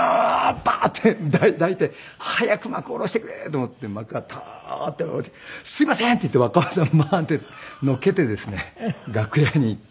バッて抱いて早く幕下ろしてくれと思って幕がターッて下りて「すいませーん！」って言って若尾さんバーンッてのけてですね楽屋に行って。